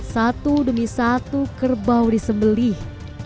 satu demi satu kerbau disembelih